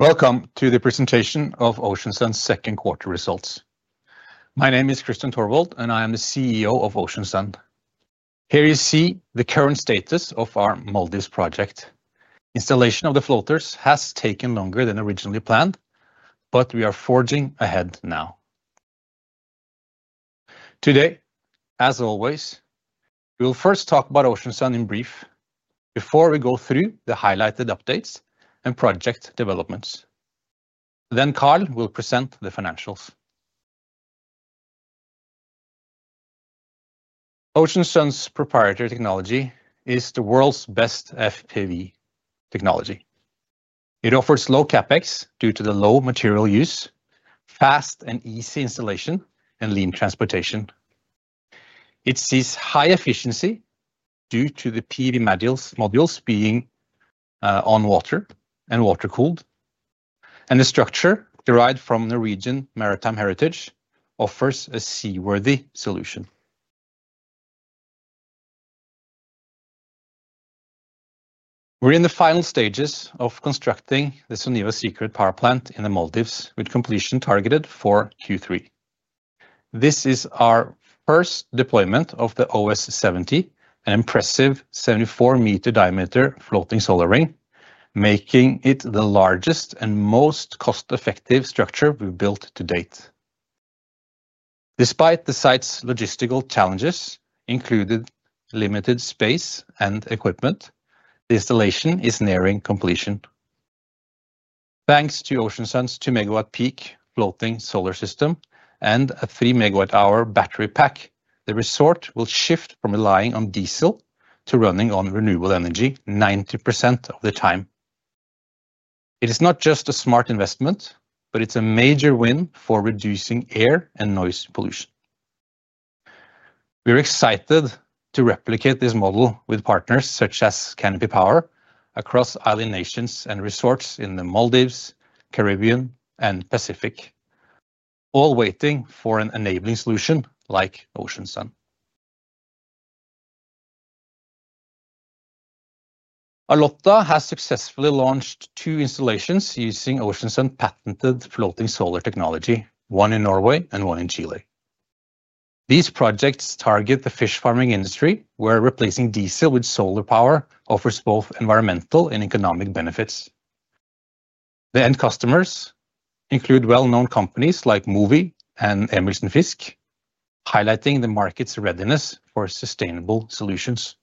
Welcome to the presentation of Ocean Sun's second quarter results. My name is Kristian Tørvold, and I am the CEO of Ocean Sun. Here you see the current status of our Maldives project. Installation of the floaters has taken longer than originally planned, but we are forging ahead now. Today, as always, we will first talk about Ocean Sun in brief before we go through the highlighted updates and project developments. Karl will present the financials. Ocean Sun's proprietary technology is the world's best FPV technology. It offers low CapEx due to the low material use, fast and easy installation, and lean transportation. It sees high efficiency due to the PV modules being on water and water cooled. The structure, derived from Norwegian maritime heritage, offers a seaworthy solution. We're in the final stages of constructing the Suniva Secret power plant in the Maldives, with completion targeted for Q3. This is our first deployment of the OS70, an impressive 74-meter diameter floating solar ring, making it the largest and most cost-effective structure we've built to date. Despite the site's logistical challenges, including limited space and equipment, the installation is nearing completion. Thanks to Ocean Sun's 2 MWp floating solar system and a 3 MWh battery pack, the resort will shift from relying on diesel to running on renewable energy 90% of the time. It is not just a smart investment, but it's a major win for reducing air and noise pollution. We're excited to replicate this model with partners such as Canopy Power across island nations and resorts in the Maldives, Caribbean, and Pacific, all waiting for an enabling solution like Ocean Sun. Alotta has successfully launched two installations using Ocean Sun's patented floating solar technology, one in Norway and one in Chile. These projects target the fish farming industry, where replacing diesel with solar power offers both environmental and economic benefits. The end customers include well-known companies like Mowi and Emerson Fiske, highlighting the market's readiness for sustainable solutions.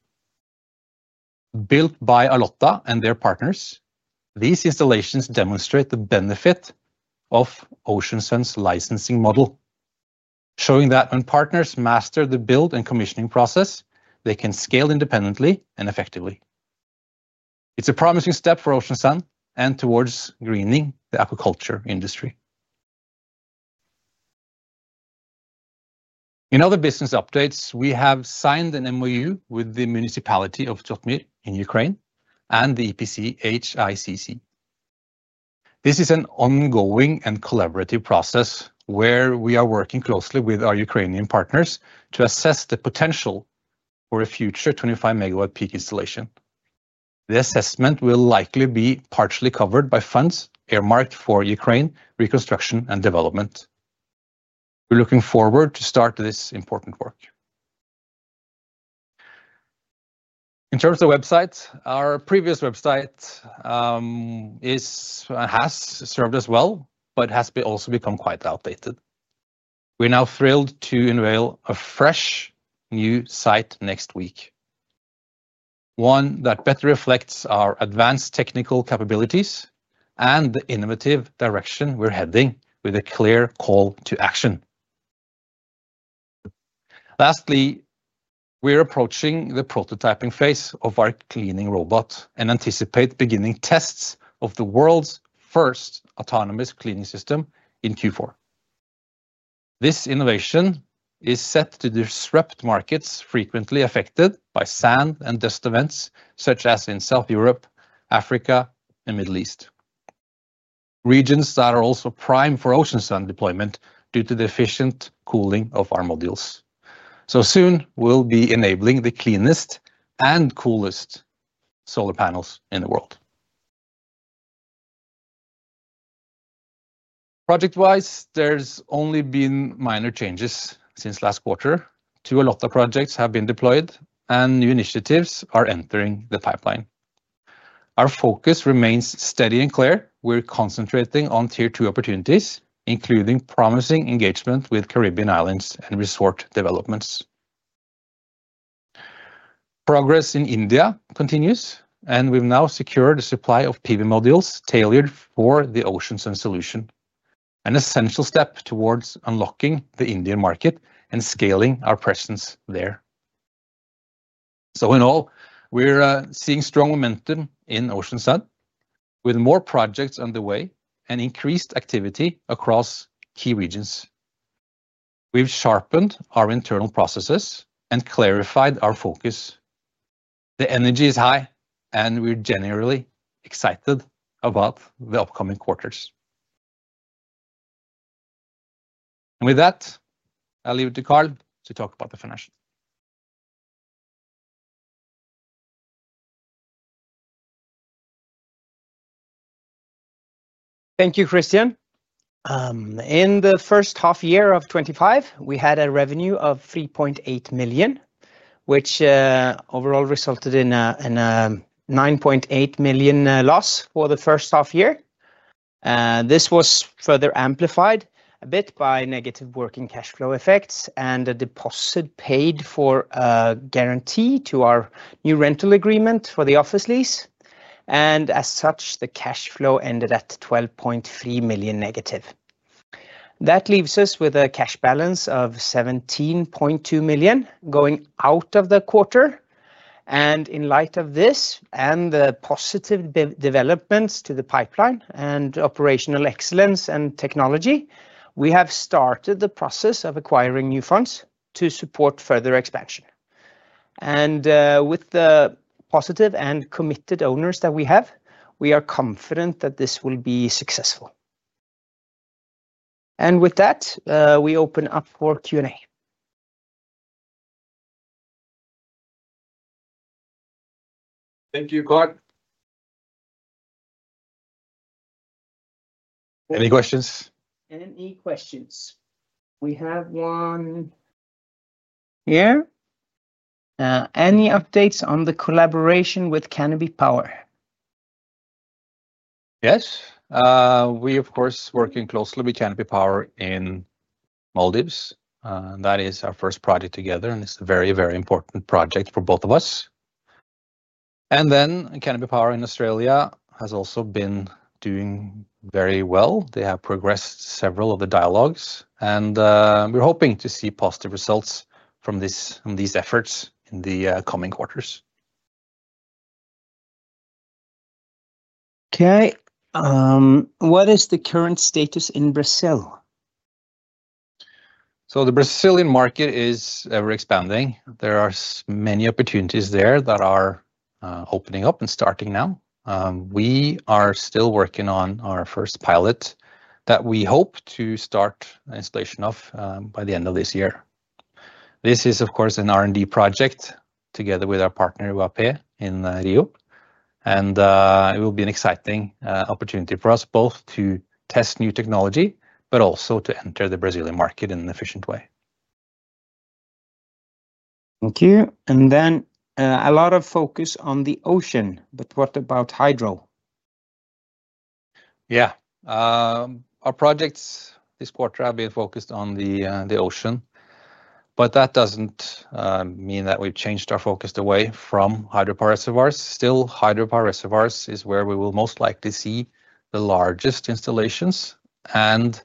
Built by Alotta and their partners, these installations demonstrate the benefit of Ocean Sun's licensing model, showing that when partners master the build and commissioning process, they can scale independently and effectively. It's a promising step for Ocean Sun and towards greening the aquaculture industry. In other business updates, we have signed an MOU with the Zhytomyr municipality in Ukraine and the EPC HICC. This is an ongoing and collaborative process where we are working closely with our Ukrainian partners to assess the potential for a future 25 MWp installation. The assessment will likely be partially covered by funds earmarked for Ukraine reconstruction and development. We're looking forward to start this important work. In terms of websites, our previous website has served us well, but has also become quite outdated. We're now thrilled to unveil a fresh new site next week, one that better reflects our advanced technical capabilities and the innovative direction we're heading with a clear call to action. Lastly, we're approaching the prototyping phase of our cleaning robot and anticipate beginning tests of the world's first autonomous cleaning system in Q4. This innovation is set to disrupt markets frequently affected by sand and dust events, such as in Southern Europe, Africa, and the Middle East, regions that are also prime for Ocean Sun deployment due to the efficient cooling of our modules. Soon, we'll be enabling the cleanest and coolest solar panels in the world. Project-wise, there's only been minor changes since last quarter. Two Alotta projects have been deployed, and new initiatives are entering the pipeline. Our focus remains steady and clear. We're concentrating on tier two opportunities, including promising engagement with Caribbean islands and resort developments. Progress in India continues, and we've now secured a supply of PV modules tailored for the Ocean Sun solution, an essential step towards unlocking the Indian market and scaling our presence there. In all, we're seeing strong momentum in Ocean Sun, with more projects underway and increased activity across key regions. We've sharpened our internal processes and clarified our focus. The energy is high, and we're generally excited about the upcoming quarters. With that, I'll leave it to Karl to talk about the financials. Thank you, Kristian. In the first half year of 2025, we had a revenue of 3.8 million, which overall resulted in a 9.8 million loss for the first half year. This was further amplified a bit by negative working cash flow effects and a deposit paid for a guarantee to our new rental agreement for the office lease. As such, the cash flow ended at NOK- 12.3 million. That leaves us with a cash balance of 17.2 million going out of the quarter. In light of this and the positive developments to the pipeline and operational excellence and technology, we have started the process of acquiring new funds to support further expansion. With the positive and committed owners that we have, we are confident that this will be successful. With that, we open up for Q&A. Thank you, Karl. Any questions? Any questions? We have one here. Any updates on the collaboration with Canopy Power? Yes. We, of course, are working closely with Canopy Power in the Maldives. That is our first project together, and it's a very, very important project for both of us. Canopy Power in Australia has also been doing very well. They have progressed several of the dialogues, and we're hoping to see positive results from these efforts in the coming quarters. OK, what is the current status in Brazil? The Brazilian market is ever-expanding. There are many opportunities there that are opening up and starting now. We are still working on our first pilot that we hope to start installation of by the end of this year. This is, of course, an R&D pilot together with our partner Wapé in Rio, and it will be an exciting opportunity for us both to test new technology, but also to enter the Brazilian market in an efficient way. Thank you. There is a lot of focus on the ocean, but what about hydro? Our projects this quarter have been focused on the ocean, but that doesn't mean that we've changed our focus away from hydropower reservoirs. Still, hydropower reservoirs is where we will most likely see the largest installations, and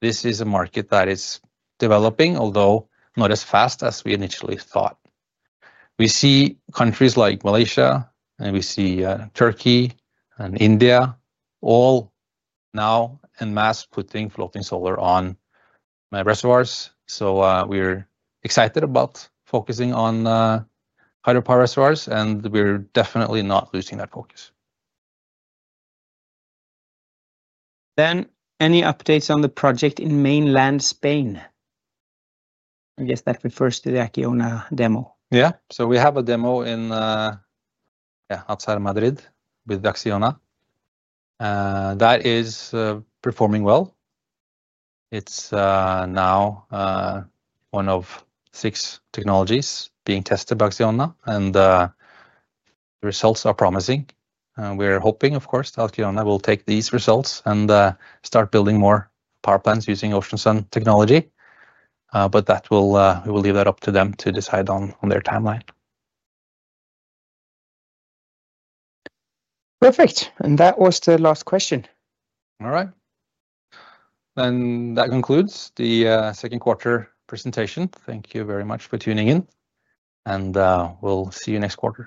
this is a market that is developing, although not as fast as we initially thought. We see countries like Malaysia, and we see Turkey and India all now en masse putting floating solar on reservoirs. We're excited about focusing on hydropower reservoirs, and we're definitely not losing that focus. there any updates on the project in mainland Spain? I guess that refers to the Acciona demo. We have a demo outside of Madrid with Acciona that is performing well. It's now one of six technologies being tested by Acciona, and the results are promising. We're hoping, of course, that Acciona will take these results and start building more power plants using Ocean Sun technology, but we will leave that up to them to decide on their timeline. Perfect. That was the last question. All right. That concludes the second quarter presentation. Thank you very much for tuning in, and we'll see you next quarter.